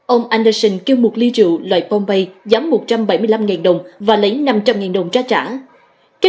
ông anderson kêu một ly rượu loại pompe giá một trăm bảy mươi năm đồng và lấy năm trăm linh đồng trả trả